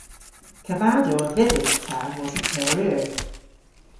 Kavadow a vedhydh ta wosa teyr eur.